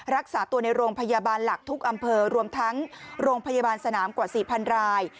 รักษาตัวในโรงพยาบาลหลักทุกอำเภอรวมทั้งโรงพยาบาลสนามกว่า๔๐๐ราย